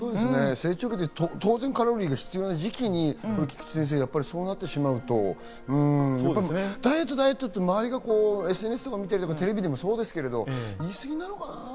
成長期で当然カロリーが必要な時期に菊地先生、そうなってしまうとダイエットダイエットって周りがＳＮＳとか、テレビとかそうですけど言い過ぎなのかな？